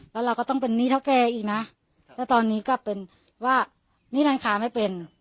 แล้วเราก็ต้องเป็นหนี้เท่าแกอีกนะแล้วตอนนี้ก็เป็นว่าหนี้ร้านค้าไม่เป็น